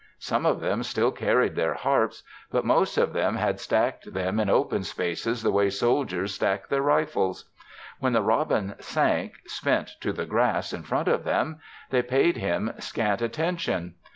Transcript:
Some of them still carried their harps; but most of them had stacked them in open spaces the way soldiers stack their rifles. When the robin sank spent to the grass in front of them, they paid him scant attention.